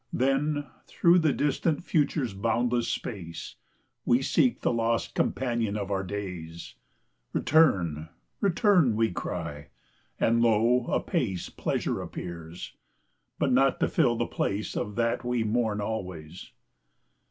Then, through the distant future's boundless space, We seek the lost companion of our days: "Return, return!" we cry, and lo, apace Pleasure appears! but not to fill the place Of that we mourn always.